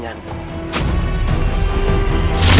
yang menurut mu